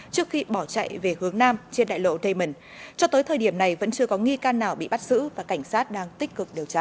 trước khi bỏ chạy về hướng nam trên đại lộ damont cho tới thời điểm này vẫn chưa có nghi can nào bị bắt giữ và cảnh sát đang tích cực điều tra